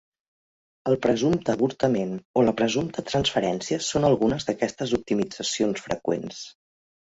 El "presumpte avortament" o la "presumpta transferència" són algunes d'aquestes optimitzacions freqüents.